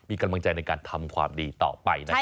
มีกำลังใจในการทำความดีต่อไปนะครับ